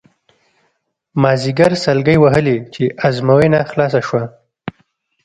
مازیګر سلګۍ وهلې چې ازموینه خلاصه شوه.